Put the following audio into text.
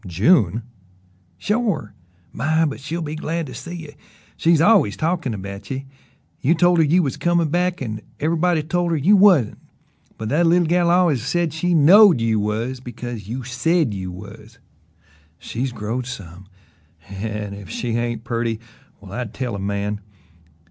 "June!" "Shore! My, but she'll be glad to see ye! She's always talkin' about ye. You told her you was comin' back an' ever'body told her you wasn't: but that leetle gal al'ays said she KNOWED you was, because you SAID you was. She's growed some an' if she ain't purty, well I'd tell a man!